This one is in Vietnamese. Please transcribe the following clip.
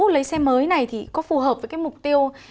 lấy xe mới này thì có phù hợp với cái mục tiêu